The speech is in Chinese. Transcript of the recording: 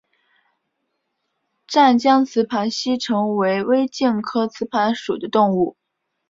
湛江雌盘吸虫为微茎科雌盘属的动物。